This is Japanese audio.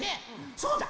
そうだ！